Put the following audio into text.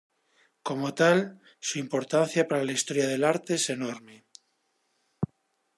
Como tal, su importancia para la historia del arte es enorme.